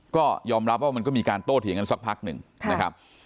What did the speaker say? ก็ยอมรับว่ามันก็มีการโต้เถียงกันสักพักหนึ่งนะครับ